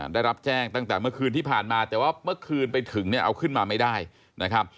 ได้รับแจ้งตั้งแต่เมื่อคืนที่ผ่านมาแต่ว่าเมื่อคืนไปถึงเนี่ยเอาขึ้นมาไม่ได้นะครับ